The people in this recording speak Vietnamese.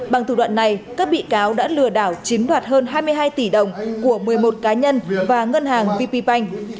bằng thủ đoạn này các bị cáo đã lừa đảo chiếm đoạt hơn hai mươi hai tỷ đồng của một mươi một cá nhân và ngân hàng vp bank